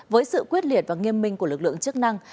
bởi sự nghiêm minh của lực lượng chức năng